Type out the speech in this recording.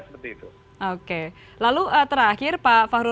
seperti itu oke lalu terakhir pak fahru